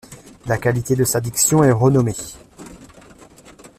La qualité de sa diction est renommée.